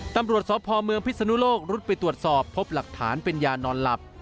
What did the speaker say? ตำรวจสพเมืองพิศนุโลกรุดไปตรวจสอบพบหลักฐานเป็นยานอนหลับ